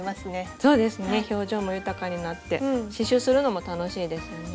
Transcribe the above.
そうですね表情も豊かになって刺しゅうするのも楽しいですよね。